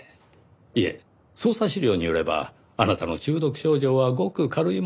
いえ捜査資料によればあなたの中毒症状はごく軽いものだったそうです。